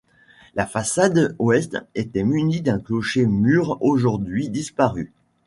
La façade ouest était munie d'un clocher-mur aujourd'hui disparu.